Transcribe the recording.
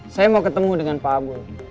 saya mau ketemu dengan pak abu